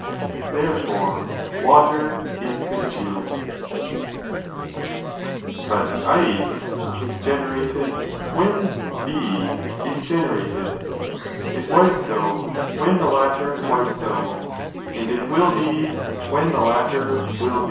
to be congealed,* but ice is generated, when B is generated, it was BO, when the latter was so, and it will be, when the btter will be.